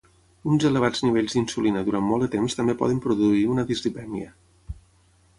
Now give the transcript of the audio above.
Uns elevats nivells d'insulina durant molt de temps també poden produir una dislipèmia.